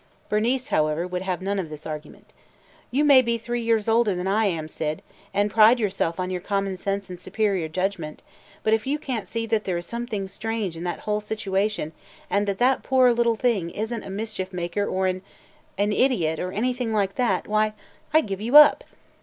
Bernice however, would have none of this argument. "You may be three years older than I am, Syd, and pride yourself on your common sense and superior judgment, but if you can't see that there is something strange in that whole situation and that that poor little thing is n't a mischief maker or an – an idiot – or anything like that, why, I give you up!"